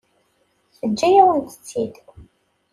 Teǧǧa-yawen-tt-id.